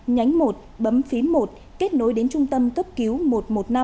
nhánh một bấm phí một kết nối đến trung tâm cấp cứu một trăm một mươi năm